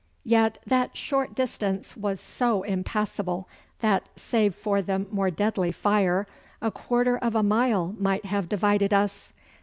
Yet that short distance was so impassable that, save for the more deadly fire, a quarter of a mile might have divided us.